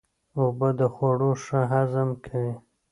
اوبه د خوړو ښه هضم کوي.